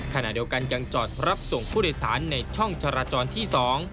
ขณะเดียวกันยังจอดรับส่งผู้โดยสารในช่องจราจรที่๒